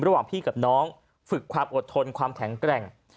ระหว่างพี่กับน้องฝึกความอดทนความแข็งแกร่ง